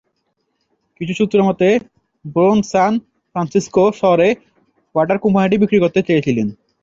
কিছু সূত্রমতে Bourne San Francisco শহরে ওয়াটার কোম্পানিটি বিক্রয় করতে চেয়েছিলেন।